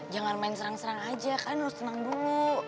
jangan main serang serang aja kalian harus tenang dulu